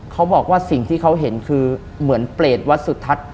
เขาบอกว่าสิ่งที่เขาเห็นคือเหมือนเปรตวัดสุทัศน์